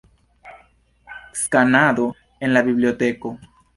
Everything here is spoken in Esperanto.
Skanado en la biblioteko.